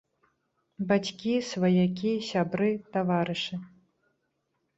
Бацькі, сваякі, сябры, таварышы.